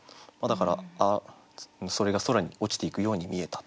だからそれが空に落ちていくように見えた。